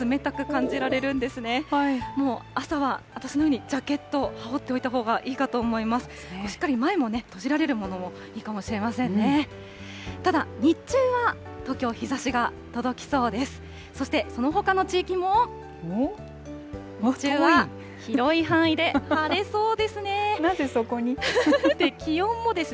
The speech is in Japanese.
ただ日中は東京日ざしが届きそうです。